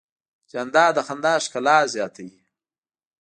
جانداد د خندا ښکلا زیاتوي.